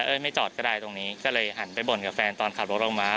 ไม่จอดก็ได้ตรงนี้ก็เลยหันไปบ่นกับแฟนตอนขับรถออกมา